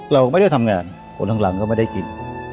เราไม่ได้ทำงานคนข้างหลังก็ไม่ได้กิน